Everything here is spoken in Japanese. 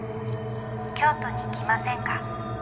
京都に来ませんか？」